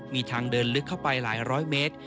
มีทางเดินลึกเข้าไปหลายร้อยเมตร